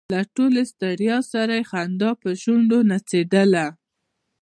له ټولې ستړیا سره یې خندا پر شونډو نڅېدله.